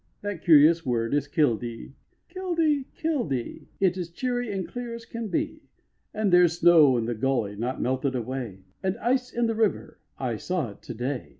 That curious word is "Killdee." "Killdee, killdee." It is cheery and clear as can be. And there's snow in the gully not melted away, And ice in the river; I saw it to day.